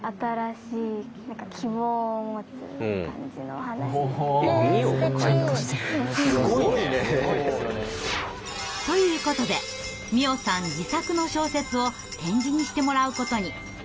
お願いがあってあっすごい。ということで美音さん自作の小説を点字にしてもらうことに。